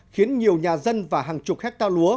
khiến nhiều nhà dân và hàng chục hecta lúa